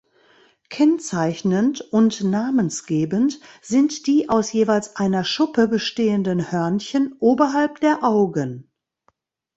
Kennzeichnend und namensgebend sind die aus jeweils einer Schuppe bestehenden Hörnchen oberhalb der Augen.